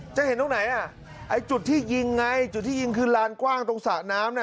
จะเห็นตรงไหนอ่ะไอ้จุดที่ยิงไงจุดที่ยิงคือลานกว้างตรงสระน้ำน่ะ